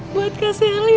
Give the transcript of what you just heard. buat kak sally